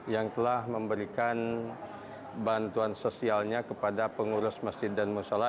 yang telah memberikan bantuan sosialnya kepada pengurus masjid dan musyola